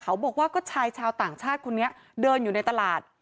บอกว่าก็ชายชาวต่างชาติคนนี้เดินอยู่ในตลาด